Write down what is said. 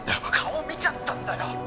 ☎顔見ちゃったんだよ！